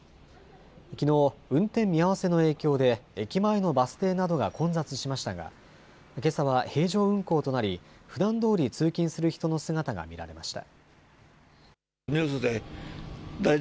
きのう、運転見合わせの影響で駅前のバス停などが混雑しましたがけさは平常運行となりふだんどおり通勤する人の姿が見られました。